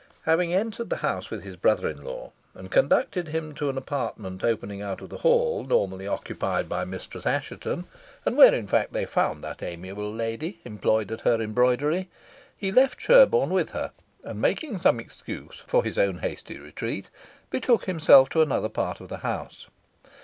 Having entered the house with his brother in law, and conducted him to an apartment opening out of the hall, usually occupied by Mistress Assheton, and where, in fact, they found that amiable lady employed at her embroidery, he left Sherborne with her, and, making some excuse for his own hasty retreat, betook himself to another part of the house.